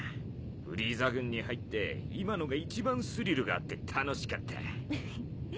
フリーザ軍に入って今のが一番スリルがあって楽しかった。